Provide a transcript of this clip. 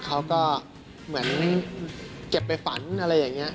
เขาก็เหมือนเก็บไปฝันอะไรอย่างนี้